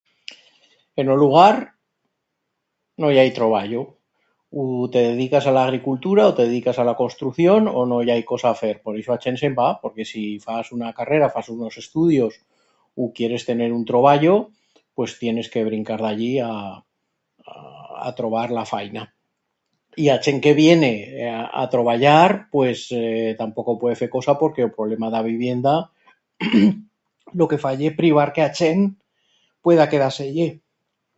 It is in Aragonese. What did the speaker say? En o lugar no i hai troballo. U te dedicas a l'agricultura u te dedicas a la construcción u no i hai cosa a fer. Por ixo a chent se'n va, porque si fas una carrera, fas unos estudios u quieres tener un troballo, pues tienes que brincar d'allí a a... a trobar la faina. Y a chent que viene a a troballar pues tampoco puede fer cosa porque o problema d'a vivenda lo que fa ye privar que a chent pueda quedar-se-ie.